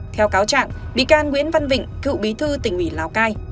theo cáo trạng bị can nguyễn văn vịnh cựu bí thư tỉnh ủy lào cai